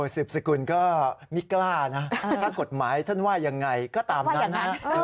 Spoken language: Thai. สืบสกุลก็ไม่กล้านะถ้ากฎหมายท่านว่ายังไงก็ตามนั้นนะ